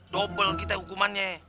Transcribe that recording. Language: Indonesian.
dobel kita hukumannya